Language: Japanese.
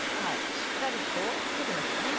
しっかりと出てますよね。